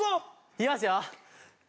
いきますよ。